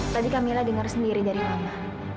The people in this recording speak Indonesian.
tadi kak mila dengar sendiri dari mama